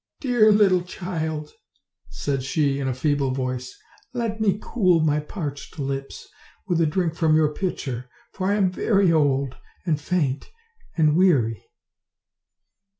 ''Dear little child," said she in a feeble voice, "let me cool my parched lips with a drink from your pitcher, for I am very old, and faint, and weary."